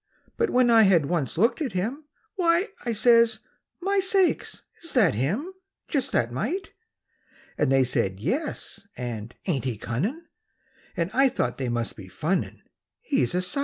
But when I had once looked at him, "Why!" I says, "My sakes, is that him? Just that mite!" They said, "Yes," and, "Ain't he cunnin'?" And I thought they must be funnin', He's a _sight!